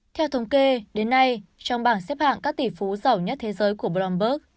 theo thống kê đến nay trong bảng xếp hạng các tỷ phú giàu nhất thế giới của bloomberg